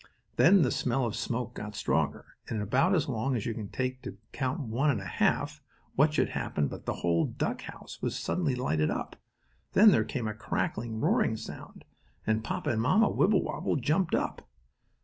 Then the smell of smoke got stronger, and, in about as long as it would take you to count one and a half, what should happen but that the whole duckhouse was suddenly lighted up. Then there came a crackling, roaring sound, and Papa and Mamma Wibblewobble jumped up.